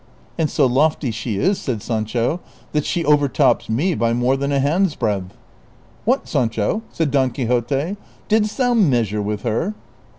" And so lofty she is," said Sancho, " that she overtops me by more than a hand's breadth." " What ! Sancho," said Don Quixote, ^' didst thou measure with her?"